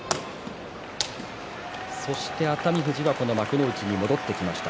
そして熱海富士がこの幕内に戻ってきました。